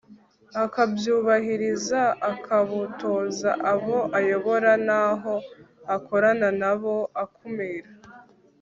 akabwubahiriza, akabutoza abo ayobora n'abo akorana na bo. akumira